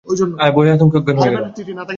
আয়া ভয়ে-আতঙ্কে অজ্ঞান হয়ে গেল।